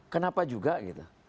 kenapa juga gitu